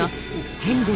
ヘンゼル？